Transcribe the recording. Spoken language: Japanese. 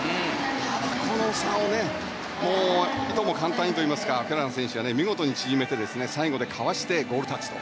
ただ、この差をいとも簡単にといいますかオキャラハン選手は見事に縮めて、最後でかわしてゴールタッチと。